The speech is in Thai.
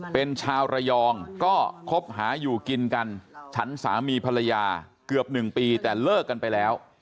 เป็นชาวระยองก็คบหาอยู่กินกันฉันสามีภรรยาเกือบ๑ปีแต่เลิกกันไปแล้ว